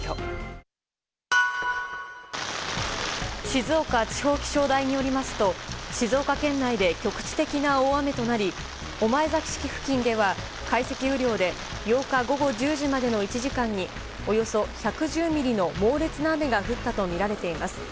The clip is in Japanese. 静岡地方気象台によりますと静岡県内で局地的な大雨となり御前崎市付近では解析雨量で８日午後１０時までの１時間におよそ１１０ミリの猛烈な雨が降ったとみられています。